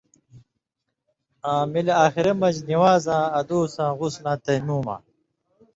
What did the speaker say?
آں مِلی آخرہ مژ نِوان٘زاں اَدوساں غُسلاں تیموماں،